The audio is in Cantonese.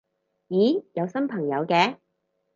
咦有新朋友嘅